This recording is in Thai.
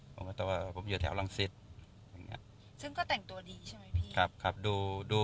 ครับดูเหมือนหัวหน้าอยู่เหมือนผู้จัดการอยู่